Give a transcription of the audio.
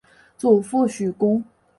祖父许恭。